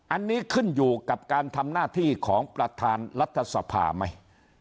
อันนี้ขึ้นอยู่กับการทำหน้าที่ของประธานรัฐสภาไหม